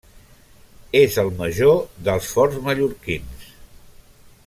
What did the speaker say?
És el major dels forts mallorquins.